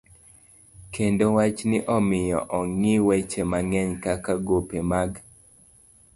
Kendo wachni omiyo ong'i weche mang'eny kaka gope mag